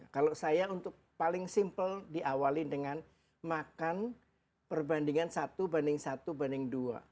kalau saya untuk paling simple diawali dengan makan perbandingan satu banding satu banding dua